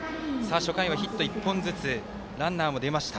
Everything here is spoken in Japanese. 初回はヒット１本ずつランナーも出ました。